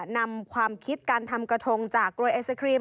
นำความคิดการทำกระทงจากกรวยไอศครีม